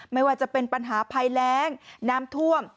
ไม่ว่าจะเป็นปัญหาภัยแรงน้ำท่วม